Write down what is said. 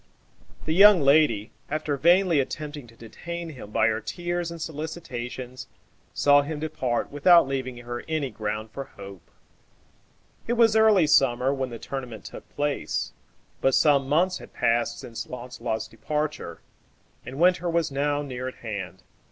The young lady, after vainly attempting to detain him by her tears and solicitations, saw him depart without leaving her any ground for hope. It was early summer when the tournament took place; but some months had passed since Launcelot's departure, and winter was now near at hand.